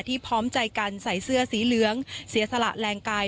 พร้อมใจกันใส่เสื้อสีเหลืองเสียสละแรงกาย